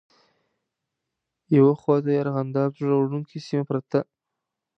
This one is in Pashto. یوه خواته یې ارغنداب زړه وړونکې سیمه پرته.